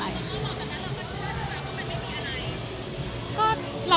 แล้วตอนนั้นเราก็เชื่อใช่ป่ะเพราะมันไม่มีอะไร